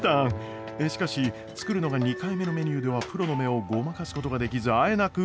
しかし作るのが２回目のメニューではプロの目をごまかすことができずあえなく。